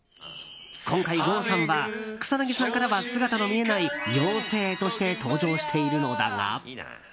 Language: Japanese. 今回、郷さんは草なぎさんからは姿の見えない妖精として登場しているのだが。